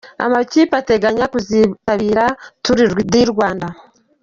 Amakipe ateganya kuzitabira Tour Du Rwanda:.